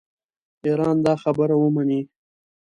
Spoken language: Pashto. ایران دا خبره ومني.